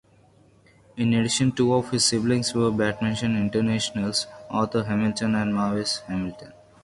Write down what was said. In addition two of his siblings were badminton internationals (Arthur Hamilton and Mavis Hamilton).